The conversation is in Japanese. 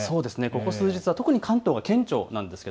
ここ数日は特に関東が顕著なんです。